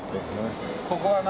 ここはな。